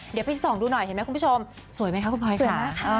เดี๋ยวพี่ส่งดูหน่อยเห็นไหมคุณผู้ชมสวยไหมครับคุณพลอยค่ะ